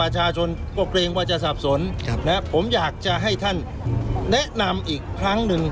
ประชาชนก็เกรงว่าจะสับสนผมอยากจะให้ท่านแนะนำอีกครั้งหนึ่ง